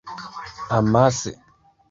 Amase.